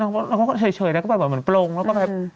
เออนางเขาก็เฉยแล้วก็แบบเหมือนโปรงแล้วก็แบบ